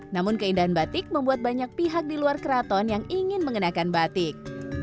namun keindahan batik membuat banyak pihak di luar keraton yang ingin mengenakan batik